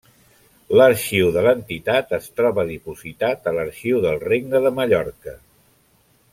L'arxiu de l'entitat es troba dipositat a l'Arxiu del Regne de Mallorca.